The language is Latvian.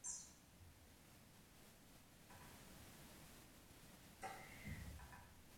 Nārsto mazos un lielos dīķos, karjeros, vecupēs vai upju līčos.